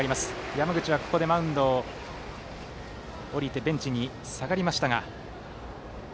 山口は、ここでマウンドを降りてベンチに下がりましたが。